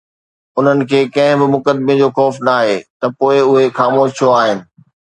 انهن کي ڪنهن به مقدمي جو خوف ناهي ته پوءِ اهي خاموش ڇو آهن؟